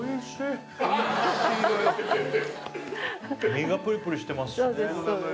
身がプリプリしてますそうです